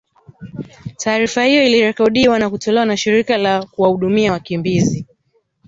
taarifa hiyo iirekodiwa na kutolewa na shirika la kuwahudumia wakimbizi